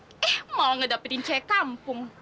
eh malah ngedapetin saya kampung